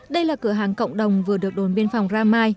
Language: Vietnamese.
đây là cửa hàng cộng đồng vừa được đồn biên phòng ramai